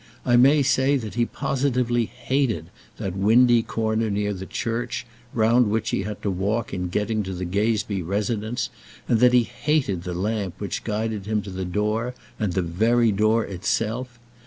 I may say that he positively hated that windy corner near the church, round which he had to walk in getting to the Gazebee residence, and that he hated the lamp which guided him to the door, and the very door itself.